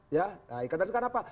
nah ikatan itu karena apa